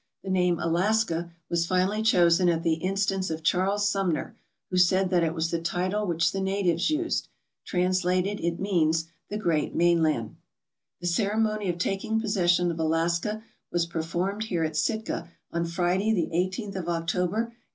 The name "Alaska" was finally chosen at the instance of Charles Sumner, who said that it was the title which the natives used. Translated,!! means "The Great Mainland/' The ceremony of taking possession of Alaska was per formed here at Sitka on Friday, the i8th of October, 1867.